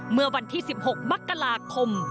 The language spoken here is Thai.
เมื่อวันที่๑๖มกราคม